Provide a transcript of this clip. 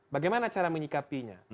bagaimana cara menyikapinya